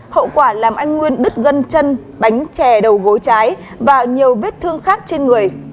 hậu quả làm anh nguyên đứt gân chân bánh trè đầu gối trái và nhiều vết thương khác trên người